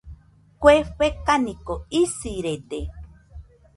Kue fekaniko isirede.